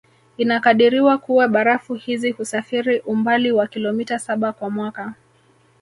Inakadiriwa kua barafu hizi husafiri umbali wa kilometa saba kwa mwaka